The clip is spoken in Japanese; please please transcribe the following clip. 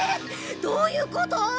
どういうこと！？